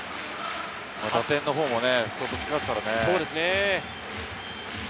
打点のほうも相当つきますからね。